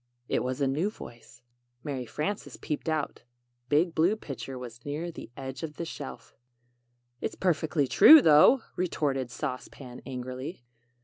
It was a new voice. Mary Frances peeped out. Big Blue Pitcher was near the edge of the shelf. "It's perfectly true, though," re tort ed Sauce Pan, angrily.